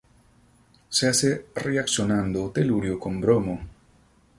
Se hace reaccionando telurio con bromo.